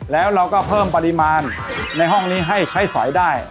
แล้วเราก็เพิ่มปริมาณในห้องนี้ให้ใช้สอยได้